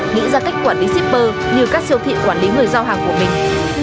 nghĩ ra cách quản lý shipper như các siêu thị quản lý người giao hàng của mình